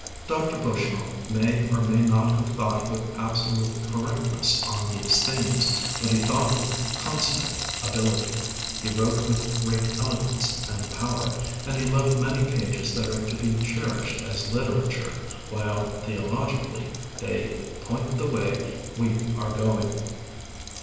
Dr. Bushnell may or may not have thought with absolute correctness on these themes, but he thought with consummate ability, he wrote with great eloquence and power, and he left many pages that are to be cherished as literature, while theologically they "point the way we are going."